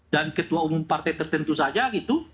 dan ketua umum partai tertentu saja gitu